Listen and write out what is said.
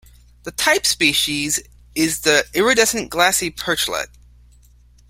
The type species is the Iridescent glassy perchlet.